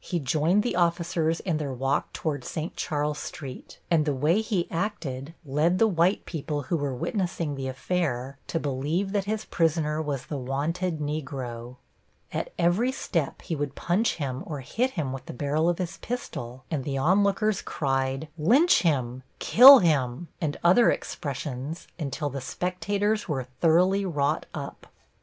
He joined the officers in their walk toward St. Charles Street, and the way he acted led the white people who were witnessing the affair to believe that his prisoner was the wanted Negro. At every step he would punch him or hit him with the barrel of his pistol, and the onlookers cried, "Lynch him!" "Kill him!" and other expressions until the spectators were thoroughly wrought up.